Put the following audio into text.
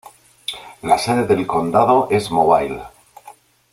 La sede del condado es Mobile.